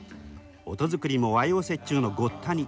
音作りも和洋折衷のごった煮。